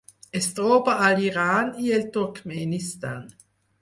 Es troba a l'Iran i el Turkmenistan.